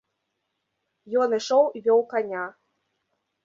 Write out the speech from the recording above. Ён ішоў і вёў каня.